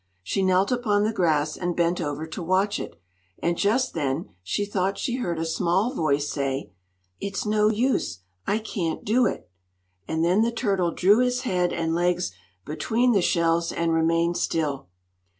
She knelt upon the grass and bent over to watch it, and just then she thought she heard a small voice say: "It's no use; I can't do it!" and then the turtle drew its head and legs between the shells and remained still.